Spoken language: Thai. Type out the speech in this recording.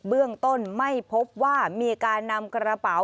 เบื้องต้นไม่พบว่ามีการนำกระเป๋า